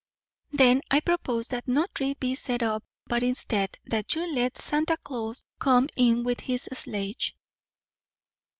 "Then I propose that no tree be set up, but instead, that you let Santa Claus come in with his sledge."